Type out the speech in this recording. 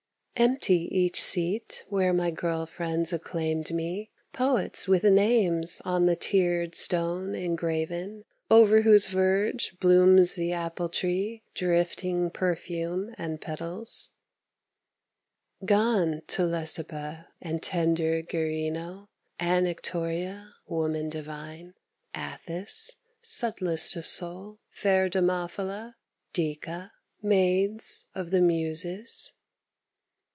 Empty each seat where my girl friends acclaimed me, Poets with names on the tiered stone engraven, Over whose verge blooms the apple tree, drifting Perfume and petals; Gone Telesippa and tender Gyrinno, Anactoria, woman divine; Atthis, Subtlest of soul, fair Damophyla, Dica, Maids of the Muses.